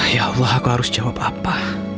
ya allah aku harus jawab apa